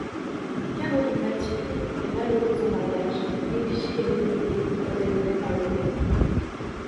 Caroline-Mathilde est malheureuse en mariage, négligée et humiliée comme elle l'est par le roi.